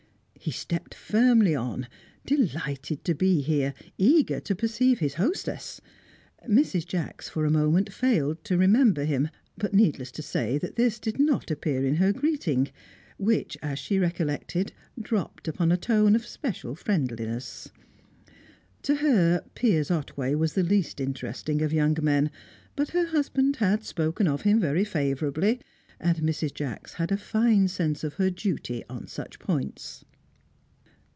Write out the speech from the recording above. He stepped firmly on, delighted to be here, eager to perceive his hostess. Mrs. Jacks, for a moment, failed to remember him; but needless to say that this did not appear in her greeting, which, as she recollected, dropped upon a tone of special friendliness. To her, Piers Otway was the least interesting of young men; but her husband had spoken of him very favourably, and Mrs. Jacks had a fine sense of her duty on such points.